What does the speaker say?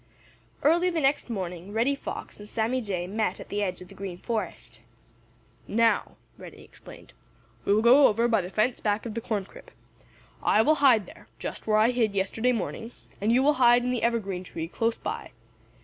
Early the next morning Reddy Fox and Sammy Jay met at the edge of the Green Forest. "Now," Reddy explained, "we will go over by the fence back of the corn crib. I will hide there, just where I hid yesterday morning, and you will hide in the evergreen tree close by.